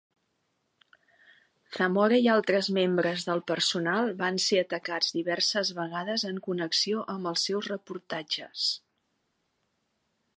Zamora i altres membres del personal van ser atacats diverses vegades en connexió amb els seus reportatges.